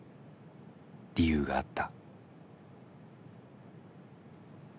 理由があった。